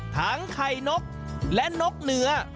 ทั้งไข่นกและนกเหนือ